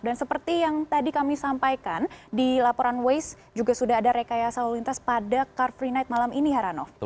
dan seperti yang tadi kami sampaikan di laporan waze juga sudah ada rekayasa lalu lintas pada car free night malam ini heranov